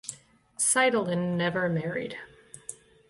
Seidelin never married.